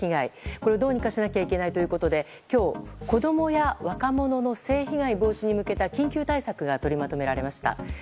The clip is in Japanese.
これを、どうにかしなきゃいけないということで今日、子供や若者の性被害防止に向けた緊急対策が取りまとめられました。